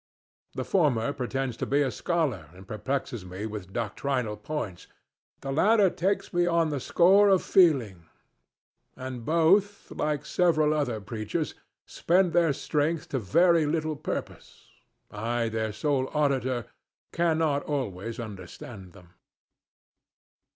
The former pretends to be a scholar and perplexes me with doctrinal points; the latter takes me on the score of feeling; and both, like several other preachers, spend their strength to very little purpose. I, their sole auditor, cannot always understand them.